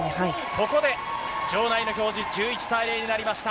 ここで場内の表示、１１対０になりました。